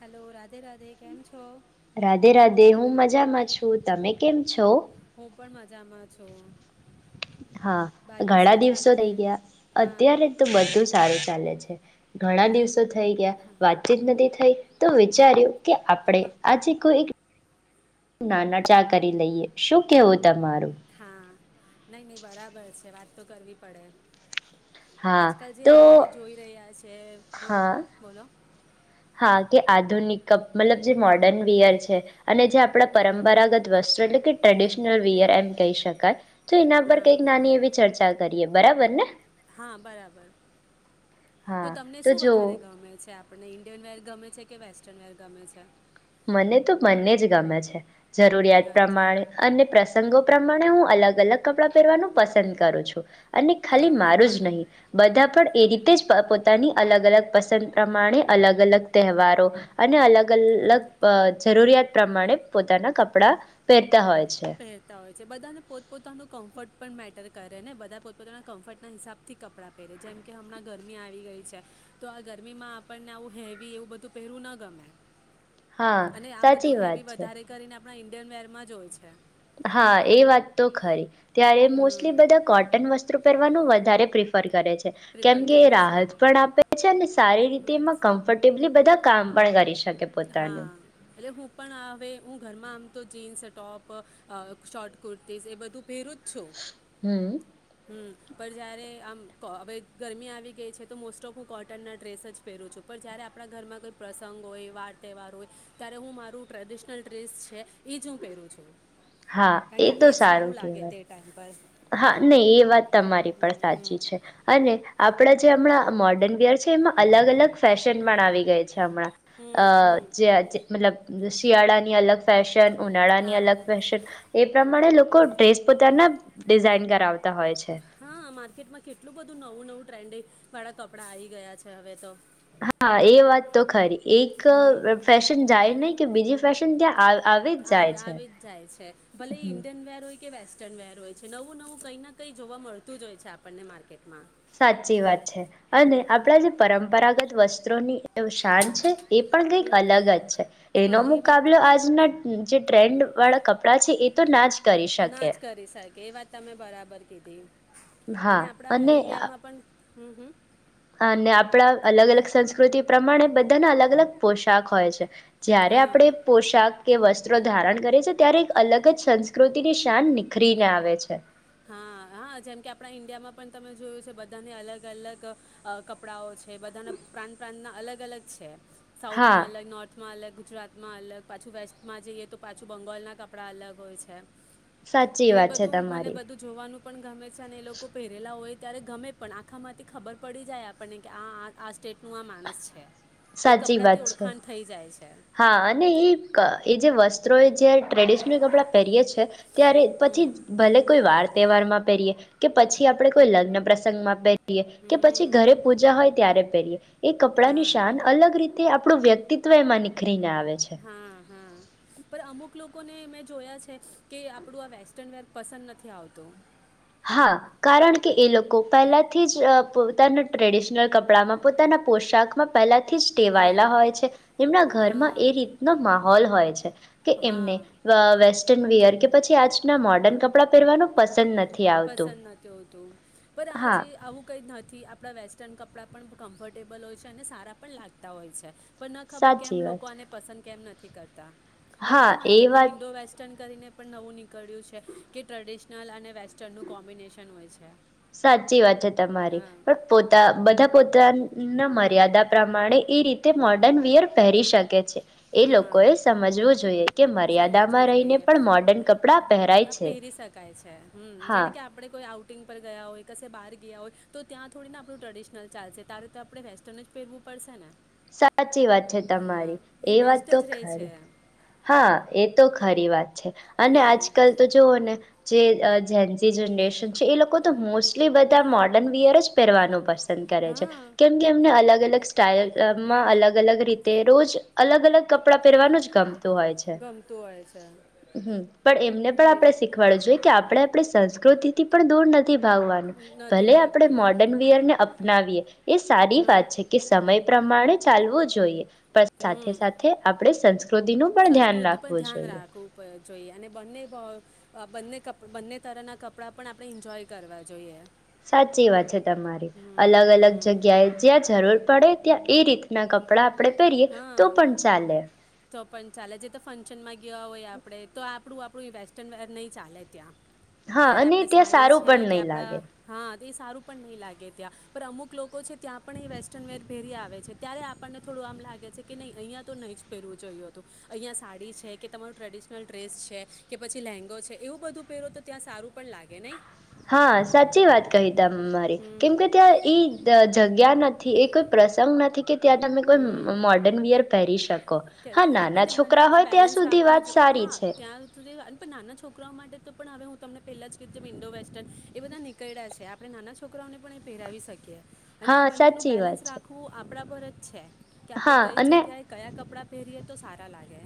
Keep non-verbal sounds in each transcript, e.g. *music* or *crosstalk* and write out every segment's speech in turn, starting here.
Hello Radhe Radhe કેમ છો રાધે રાધે! હું મજામાં છું. તમે કેમ છો? હું પણ મજામાં છો. હા! ઘણા દિવસો રહે થઈ ગયા, હા અત્યારે તો બધું સારુ છે. ચાલે છે. ઘણા દિવસો થઈ ગયા, વાતચીત નથી થઈ તો, વિચાર્યું કે આપણે હા આજે કોઈ એક ના, ના ટા કરી દઈએ, શું કેવું તમારું? હા. નહી-નહી બરાબર છે વાત તો કરવી પડે. હા આજકાલ જે તો આપણે જોઈ રહ્યા છે *unintelligible* હા, હા બોલો. હા કે આધુનિક કપ મતલબ જે મોર્ડર્ન વિયર છે અને જે આપડા હમ પરંપરાગત વસ્ત્ર એટલે કે ટ્રેડિશનલ વિયર એમ કહી શકાય. તો એના પર હા કંઈક નાની એવી ચર્ચા કરીએ. બરાબર ને? હા બરાબર. તો હા તમને શું જો વધારે ગમે છે, આપને ઇન્ડિયન વિયર ગમે છે કે વેસ્ટર્ન વેર ગમે છે? મને તો મને જ ગમે છે. જરૂરિયાત અચ્છા પ્રમાણે અને પ્રસ ગો પ્રમાણે હું અલગ-અલગ કપડાં પહેરવાનું પસંદ કરું છું. અને ખાલી હા હું મારું જ પણ નહી. બધા પણ એ રીત તે જ પ પોતાની અલગ-અલગ પસંદ પ્રમાણે અલગ- અલગ તહેવારો અને અલગ-અલગ અહ જરૂરિયાત પ્રમાણે પોતાના કપડા પહેરતા હોય. છે પહેરતા હોય છે. બધાને પોત પોતાનું કમ્ફર્ટ પણ મેટર કરે ને બધા પોતપોતાના કમ્ફર્ટના હિસાબથી કપડાં પહેરે, જેમ કે હમણાં ગરમી આવી ગઈ છે તો આ ગરમીમાં આપણને આવું હેવી એવું બધું પહેરવું ન ગમે. હા અને આ સાચી બધું વાત હેવી છે વધારે કરીને આપણા ઈન્ડિયન વેરમાં જ હોય છે. હા એ વાત તો ખરી. ત્યારે હમ મોસ્ટલી બધા કોટન વસ્ત્ર પહેરવાનું વધારે પ્રિફર કરે છે. પ્રિપર કેમકે એ કરે છે રાહત પણ આપે છે અને સારી રીતે એમાં કમ્ફર્ટેબલી બધા કામ પણ કરી શ હા એટલે હું પણ હવે હું ઘરમાં તો jeans, top, uh short kurtis એ બધું પહેરું જ છું. હમ હમ્મ. પણ જયારે આમ ક હવે ગરમી આવી ગઈ છે તો મોસ્ટ ઓફ હું કોટનના ડ્રેસ જ પહેરું છું. પણ જયારે આપણા ઘરમાં કોઈ પ્રસંગ હોય, વા ર તહેવાર હોય ત્યારે હું મારું ટ્રેડિશનલ ડ્રેસ છે ઈ જ હું પહેરું છું. હા કારણ કે એ તો જ સારું લાગે કહેવાય. તે ટાઈમ પર હા નહી એ વાત હમ તમારી પણ હમ સાચી હમ છે અને આપડે જે હમણાં મોર્ડર્ન વીયર છે એમાં અલગ-અલગ ફેશન પણ આવી ગઈ છે. હમણાં અ હમ જે હમ *inaudible* મતલબ શિયાળાની અલગ ફૅશન, ઉનાળાની હા અલગ એ પ્રમાણે લોકો ડ્રેસ પોતાના ડિઝાઇન કરાવ હા માર્કેટમાં કેટલું બધું નવું નવું ટ્રેન્ડી વાળા કપડા આયી ગયા છે હવે તો. હા એ વાત તો ખરી. એક હમ ફેશન જાય નહી કે બીજી ફેશન ત્યા આ આવી આવી જ જાય છે ભલે હમ ઇન્ડિયન વેર હોય કે વેસ્ટ વેસ્ટર્ન વેર હોય છે. નવું નવું કઈ ના કંઈ જોવા મળતું જ હોય છે આપણને માર્કેટ. સાચી વાત છે અને આપણા જે પરંપરાગત વસ્ત્રો ની એ શાન છે. એ પણ કઈક હમ. અલગ જ છે. એનો હા એ વાત મુકાબલો આજના જે ટ્રેન્ડ વાળા કપડાં છે એ તો ના જ કરી ના શકે જ કરી શકે એ વાત તમે બરાબર કીધી. હા અને હમ્મ હમ્મ. અને આપણા અલગ અલગ સંસ્કૃતિ પ્રમાણે બધાના અલગ અલગ પોશાક હોય છે. જયારે આપણે હા પોશાક કે વસ્ત્રો ધારણ કરે છે ત્યારે એક અલગ જ સંસ્કૃતિની શાન નિખરીને આવે છે. હા હા જેમ કે આપણા ઈન્ડિયામાં પણ તમે જોયું છે બધાને અલગ અલગ કપડાંઓ છે બધાના પ્રાંત પ્રાંતના અલગ અલગ છે હા સાઉથમાં અલગ નોર્થમાં અલગ ગુજરાતમાં અલગ પાછું વેસ્ટમાં જઈએ તો પાછું બંગોળનાં કપડાં અલગ હોય છે સાચી વાત છે તમારી *unintelligible* ન પણ ગામે અને એ લોકો પહેરેલા હોય ત્યારે ગમે પણ આખામાંથી ખબર પડી જાય આપણને કે આ આ સ્ટેટ નું આ માણસ છે એ સાચી કપડા થી વાત છે ઓળખાણ થઈ જાય છે હા અને એ એ જે વસ્ત્રો એ જે ટ્રેડિશનલ કપડાં પહેરીએ છે ત્યારે પછી હમ ભલે કોઈ વાર્ તહેવાર માં પહેરીએ કે પછી આપડે કોઈ લગ્ન પ્રસંગમાં પહેરીએ રીએ કે પછી ઘરે હમ પૂજા હોય ત્યારે પહેરીએ એ કપડા ની હા શાન અલગ રીતે આપણું વ્યક્તિ *unintelligible* *unintelligible* ના હા હા પણ અમુક લોક કોને મેં જોયા છે કે આપણું આ વેસ્ટર્ન વેર પસંદ નથી આવતું. હા કારણ કે એ લોકો પહેલાથી જ પોતાના ટ્રેડિશનલ કપડામાં પોતાના પોશાકમાં પહેલા તીસ હમ ટેવાયેલા હોય છે એમના ઘરમાં એ હા રીતનો માહોલ હોય છે કે એમને હા વ વેસ્ટન વયર કે પછી આજના મોડર્ન કપડાં પહેરવાનું પસંદ નથ. પસંદ નતતું પણ આજ હા આવું કઈ થી આપણાં વેસ્ટર્ન કપડાં પણ કમ્ફર્ટેબલ હોય છે અને સારા પણ લાગતા હોય છે. પણ ના ખબર કેમ સાચી વાત લોકો આને પસંદ કેમ નથ થી કરતા. હવે હા તો એ માર્કેટમાં વાત ઇન્ડો વેસ્ટર્ન કરીને પણ નવું નીકળ્યું છે. કે ટ્રેડિશનલ અને વેસ્ટર્ન ડનું કોમ્બિનેશન હોય છે. સાચી વાત છે તમારી હા પણ પોતા બધા પો તા ના મર્યાદા પ્રમાણે એ રીતે મોર્ડર્ન વયર પહેરી શકે છે. એ હા લોકોએ સમજવું જોઈએ કે મર્યાદામાં સમજવું રહીને જોઈએ પણ મોર્ડર્ન કપડાં પહેરાય આ છે પહેરી હા. ટિંગ પર ગયા હોય કશે બહાર ગયા હોય તો ત્યાં થોડી ને આપણું ટ્રેડિશનલ ચાલશે ત્યારે તો આપણે વેસ્ટર્ન જ ફેરવું પડશે ને. સાચી વાત છે હા તમારી. એ વાત બેસ્ટ તો જ રહે છે ખરી હા એ તો ખરી વાત. છે અને હમ આજકાલ તો જોવઓ ને જે અ જેન્જી જનરેશન છે એ લોકો તો મોસ્ટલી બધા મોડર્ન વિયર જ પહેરવાનું પરશે. પ કરે છે હા કેમ કે એમને અલગ અલગ સ્ટઇલ અ માં અલગ અલગ રીતે રોજ અલગ અલગ કપડાં પહેરવાનું જ ગમ તુ હોય છે ગમતું હોય છે હમ્મ પણ એમને પણ એ આપણે શીખવાડવું જોઈએ કે અપ આપણે આપણી સંસ્કૃતિથી પણ દૂર નથ થી ભાવવાનું નથી ભલે આપણે ભાગવું મોર્ડર્ન વયરને અપનાવીએ એ સારી હમ વાત છે કે સમય પ્રમાણે ચાલવું જોઈએ. પણ હમ સાથે સાથે આપણે સંસ્કૃતિનું પણ ધ્યાન સંસ્કૃતિ પણ રાખવું ધ્યાન જોઈએ. રાખવું પ- જોઈએ અને બંને ભાવ અ બંને કપ બંને તરનાં કપડાં પણ આપણે એન્જોય કરવા જોઈએ. સાચી વાત છે તમારી હમ અલગ અલગ હમ જગ્યાએ જ્યાં જરૂર પડે ત્યાં એ રીતના કપડા હા તો પણ ચાલે જે તો ફંક્શન માં ગીયા હોય આપ આપણે તો આપણું આપણું વેસ્ટર્ન નહીં ચાલે ત્યાં હા ત્યારે અને આપડે ત્યાં સાડી સારું છે પણ કે નહી આપડા લાગે હા એ સારું પણ નહીં લાગે ત્યાં પણ અમુક લોકો છે ત્યાં પણ એ વેસ્ટર્ન વેર પેરી આવે છે ત્યારે આપણને થોડું આમ લાગે કે નહી અહીંયા તો નહી જ પહેરવું જોયું હતું અહિયાં સાડી છે કે તમારું ટ્રેડિશનલ ડ્રેસ છે કે પછી લેંઘો છે એવું બધું પહેરો તો ત્યાં સારું પણ લાગે નય હા સાચી વાત કહી તમારી કેમ હમ કે ત્યાં ઈ જગ્યા નથી એ કોઈ પ્રસંગ નથી કે ત્યાં તમે કોઈ હમ મોડર્ન વીયર પહેરી શકો હા નાના આપણને બંને છોકરા નું હોય ત્યાં બેલેન્સ સુધી રાખવું વાત જો સારી હા છે ત્યાં સુધી પણ નાના છોકરાઓ માટે તો પણ હવે હું તમને પહેલાં જ કીધું જેમ ઇન્ડો વેસ્ટર્ન એ બધા નીકળ્યા છે આપણે નાના છોકરાઓને પણ એ પહેરાવી શકીએ અને હા આ બંને નું સાચી બેલેન્સ વાત છે રાખવું આ કપડા પર જ છે કે આપડે હા કઈ અને જગ્યાએ કયા કપડા પહેરયે તો સારા લાગે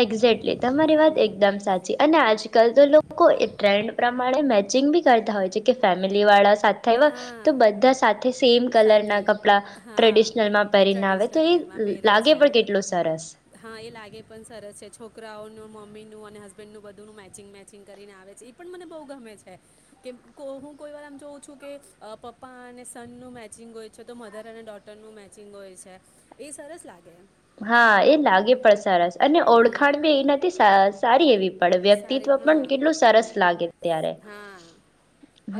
એક્ઝેકટલી, તમારી વાત હમ. એકદમ સાચી અને આજકાલ તો લોકો એ ટ્રેન્ડ પ્રમાણે મેચિંગ બી કરતા હોય છે કે ફેમિલી વાળા સાથે આવ્યા હા તો બધા સાથે સેમ કલર સાથે ના કપડા હા ટ્રેડિશનલમાં પહેરીને આવે તો ટ્રેડિશનલ એ પહેરમાં પહેરે લાગે છે પણ કેટલું સરસ. હા એ લાગે પણ સરસ છે છોકરાઓનું મમ્મીનું અને હસબેન્ડનું બધુંનું મેચિંગ મેચિંગ કરીને આવે છે એ પણ મને બહુ ગમે છે કેમ હું કોઈ વાર આમ જોઉં છું કે પપ્પા અને સનનું મેચ મેચિંગ હોય છે તો મધર અને ડોટરનું મેચિંગ હોય છે એ સરસ લાગે હા એ લાગે પ સરસ અને હમ ઓળખાણ બી એના નથી સા સારી એવી પણ સારી વ્યક્તિત્વ પણ હા કેટલું સરસ લાગે ત્યારે હા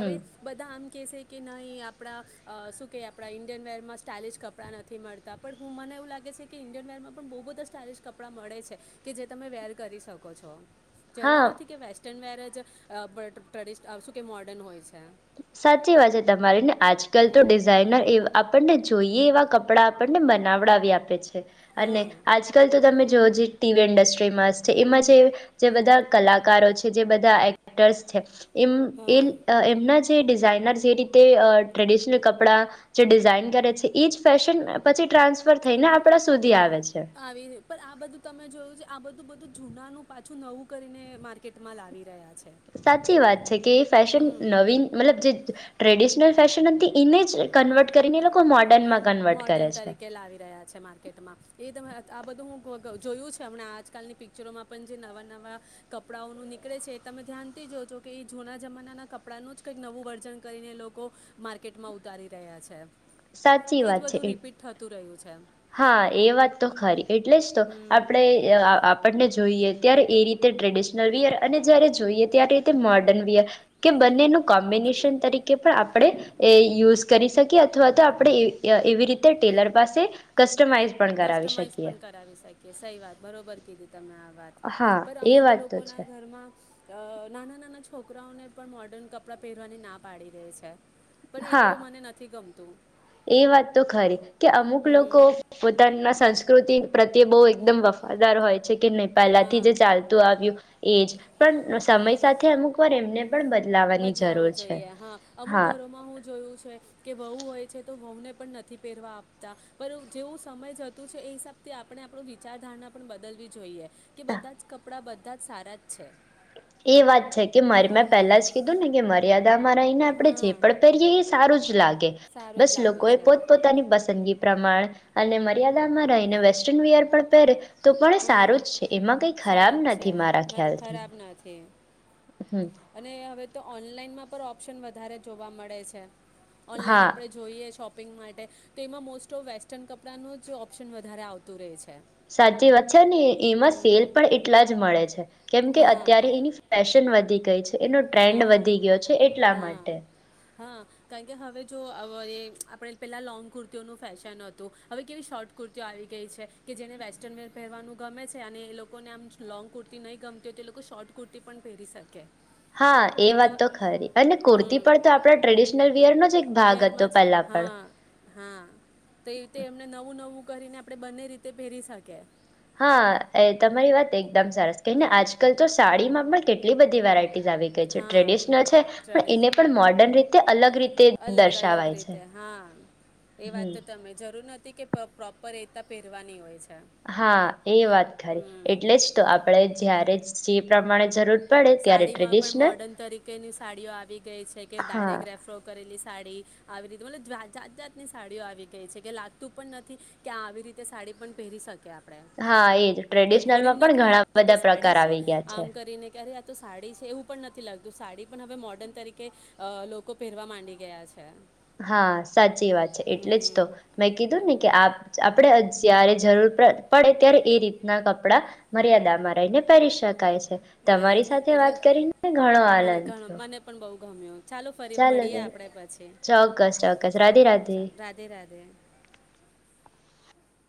હમ બધા આમ. કહે છે કે નહીં આપણા શું કે આપણા ઈન્ડિયન વેરમાં સ્ટાઇલિશ કપડાં નથી મળતા પણ હું મને એવું લાગે છે કે ઇન્ડિયન વેરમાં પણ બહુ બધા સ્ટાઇલિશ કપડાં મળે છે કે જે તમે વેર કરી શકો છો હા જરૂરી નથી કે વેસ્ટર્ન વેર જ બ *unintelligible* શું કે મોડર્ન હોય છે. સાચી વાત છે તમારી ને આજકાલ તો હમ ડિઝાઇનર એ આપણને જોઈએ એવા કપડા. કપડાં આપણને બનાવડા આપ્યે છે. અને હા આજકાલ તો તમે જોઓ જે. ટીવી ઇન્ડસ્ટ્રીમાં છે એમાં જે જે બધા કલાકારો છે, જે બધા એક્ટર્સ છે તે એમ એ હા એમના જ. ડિઝાઇનર જે રીતે ટ્રેડિશનલ કપડાં, જે ડિઝાઇન કરે છે એ જ ફેશન પછી ટ્રાન્સફર થઈને આપણા સુધી આવે છે. આવી રી પણ આ બધું તમે જોયું છે આ બધ બધું જૂનાનું પાછું નવું કરીને માર્કેટમાં લાવી રહ્યા છે સાચી વાત છે કે એ ફેશન હમ નવીન મતલબ જેજ ટ્રેડિશનલ ફેશન હતી એને જ કન્વર્ટ કરીને એ લોકો મોર્ડર્નમાં કન્વર્ટ કરે મોર્ડન છે તરીકે લાવી રહ્યા છે માર્કેટમાં. એ તમે આ બધું હું ક જોયું છે હમણાં આજકાલની પિક્ચરોમાં પણ જે નવાં-નવાં કપડાંઓનું નીકળે છે, એ તમે ધ્યાનથી જજો કે ઈ જૂના જમાનાનાં કપડાંનું જ કંઈક નવું વર્ઝન કરીને એ લોકો માર્કેટમાં ઉતારી રહ્યા છે. સાચી એજ વાત છે બધું એ રિપીટ થતું રહ્યું છે. હા એ વાત તો ખરી. એટલે જ તો હમ આપણે અહ આપણને જોઈએ ત્યારે એ રીતે ટ્રેડિશનલ વિયર અને જયારે જોઈએ ત્યારે રીતે તે મોર્ડર્ન વિયર કે બંનેનું કોમ્બિનિશન તરીકે પણ આપણે એ યુઝ કરી શકીએ અથવા તો આપણે એ એવી રીતે ટેલર પાસે કસ્ટમાઈઝ પણ કરાવી કસ્ટમાઈઝ શકીએ પણ કરાવી શકીએ, સહી વાત, બરોબર કીધી તમે આ વાત. હા એ વાત તો છે. અહ નાના-નાના છોકરાઓને પણ મોર્ડર્ન કપડાં પહેરવાની ના પાડી દે છે. પણ એતો હા મને નથી ગમ તો એ વાત તો ખરી. કે અમુક લોકો હમ પોતાના સંસ્ કૃતિ પ્રત્યે બહુ એકદમ વફાદાર હોય. છે કે નહી, પહેલાથી હા જે ચાલતું આવ્યું એ જ. પણ સમય સાથે અમુક વાર એમને પણ બદલાવાની બદલાવો જરૂર છે જોઈએ હા. અમુક હા ઘરોમાં હું જોયું છે કે વહુ હોય છે તો વહુંને પણ નથી પહેરવા આપતા, પણ જેવું સમય જતું છે એ હિસાબથી આપણે આપણું વિચારધારણા પણ બદલવી જોઈએ. કે બધા જ કપડા બધ બધા જ સારા જ છે. એ વાત છે કે મારી મેં પહેલા જ કીધું ને કે મારી યા *unintelligible* રહીના આપણે જે હા પણ પહેરીએ એ સારું જ લાગે. સારું બસ જ લોકો લાગે એ છે પોતપોતાની પસંદગી પ્રમાણ અને મર્યાદામાં રહીને વેસ્ટર્ન વિયર પણ પહેરે તો પણ હા સારું જ છે. એમાં કઈ ખરાબ સારું જ છે નથી મારા નથી ખ્યાલથી. ખરાબ નથી હમ અને હવે તો ઓનલાઈનમાં પણ ઓપ્શન વધારે જોવા મળે છે. ઓનલાઈન હા આપડે જોઈએ શોપ શોપિંગ માટે તો એમાં મોસ્ટ ઓફ વેસ્ટર્ન કપડાનું જ ઓપ્શન વધારે આવતું રહે છે. સાચી વાત છ ને એમાં સેલ હમ પણ એટલા જ મળે છે. કેમકે હા અત્યારે એની ફેશન વધી ક છે. એનો ટ્રેન્ડ હા વધી ગયો છે એટલા હા માટે. હા કારણ કે હવે જો એ આપણે પહેલાં લોંગ કુર્તીઓનું ફેશન હતું, હવે કેવી શોર્ટ કુર્તીઓ આવી ગઈ છે કે જેને વેસ્ટર્ન વેર પહેરવાનું ગમે છે, અને એ લોકોને આમ લોંગ કુર્તી નહીં ગમતી હોય તો એ લોકો શોર્ટ કુર્તી પણ પહેરી શકે. હા એ વાત તો ખરી, અને કુર્તી હમ પર તો આપણા ટ્રેડિશનલ વયરનોો જ એક ભાગ હતો વેરમાં પહેલા જ હા હા તો એ રીતે પણ એમને નવું નવું કરીને આપડણે બંને રીતે પહેરી શકીએ. હા એ તમારી વાત એકદમ સરસ કને આજકાલ તો સાડીમાં પણ કેટલી બધી વેરાયટી. હા આવીડિશનલ છે, પણ ચડે છે એને પણ મો અલગ રીતે અલગ અલગ દર્શાવાય છે રીતે હા, એ વાત હમ તો તમે જરૂર નથી. કે પ્રોપર એતા પહેરવાની હોય છે. હા એ વાત ખરી, હમ એટલે જ તો આપણેે જ્યારે જ જે પ્રમાણે જરૂર પડે ત્યારે સાડીમાં પણ ટ્રેડિશનલ મોર્ડર્ન તરીકેની સાડીઓ આવી ગઈ છે કે હા. ડાયરેક્ટ રેફરો કરેલી સાડી આવી રીતે મતલબ જા જાત જાતની સાડીઓ આવી ગઈ છે કે લાગતું પણ નથી, કે આ આવી રીતે સાડી પણ પહેરી શકે. હા એજ ટ્રેડિશનલમાં પણ નથી ઘણા બધા પ્રકાર આવી ગયા છે. ક્યારે આ તો સાડી છે એવું પણ નથી લાગતું સાડી પણ હવે મોર્ડન તરીકે લોકો પહેરવા માંડી ગયા છે. હા સાચી વાત છે એટલે જ તો, હમ મેં કીધું ને કે આપ આપડણે જય્યારે જરૂર પડે ત્યારે એ રીતના કપડા, મર્યાદામાં રહીને પહેરી શકાય છે. હમ તમારી સાથે એટલે વાત કરીને ઘણો આનંદ થયો. ગમ્યાત. ચાલો ફરી ચાલો મળીએ તો આપણે પછી ચોક્કસ ચોક્કસ રાધે ચાલો ચાલો રાધે રાધે.